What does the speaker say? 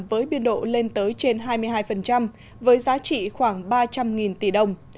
với biên độ lên tới trên hai mươi hai với giá trị khoảng ba trăm linh tỷ đồng